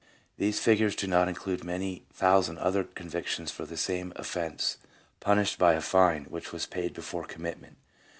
These figures do not include many thousand other convictions for the same offence punished by a fine, which was paid before commitment.